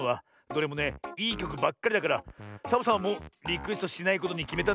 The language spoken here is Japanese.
どれもねいいきょくばっかりだからサボさんはもうリクエストしないことにきめたんだ。